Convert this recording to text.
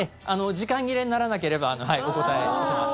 時間切れにならなければお答えします。